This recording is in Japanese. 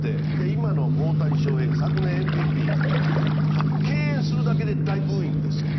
今の大谷翔平、昨年ＭＶＰ敬遠するだけで大ブーイングですよ。